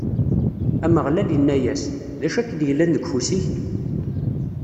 Ameɣlal inna-as: D acu akken yellan deg ufus-ik?